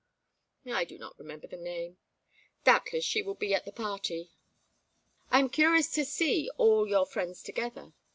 "I do not remember her name. Doubtless she will be at the party. I am curious to see all your friends together.